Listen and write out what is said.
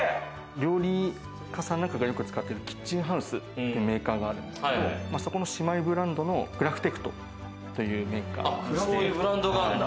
料理家さんとかが使ってるキッチンハウスというメーカーがあるんですけど、そこの姉妹ブランドのグラフテクトというメーカー。